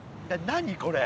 何これ？